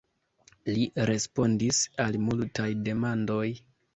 Li respondis al multaj demandoj.